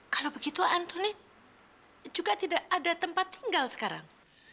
kalau begitu antoni juga tidak ada tempat tinggal sekarang